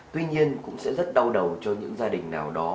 tuy nhiên cũng sẽ rất đau đầu cho những gia đình nào đó